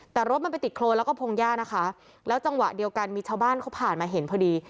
แต่รถมันไปติดโครนแล้วก็พงหญ้านะคะแล้วจังหวะเดียวกันมีชาวบ้านเขาผ่านมาเห็นพอดี